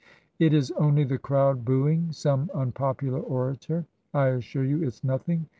" It is only the crowd ' booing* some unpopular orator. I assure you it's nothing